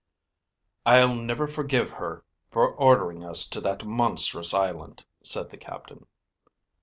"I'll never forgive her for ordering us to that monstrous island," said the captain.